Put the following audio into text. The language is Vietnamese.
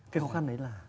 cái khó khăn ấy là